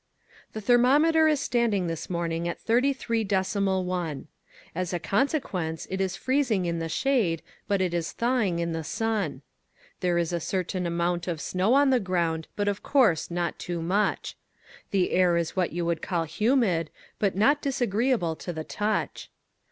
The thermometer is standing this morning at thirty three decimal one. As a consequence it is freezing in the shade, but it is thawing in the sun. There is a certain amount of snow on the ground, but of course not too much. The air is what you would call humid, but not disagreeable to the touch.